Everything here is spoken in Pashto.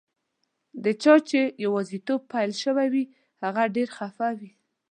د چا چي یوازیتوب پیل شوی وي، هغه ډېر خفه وي.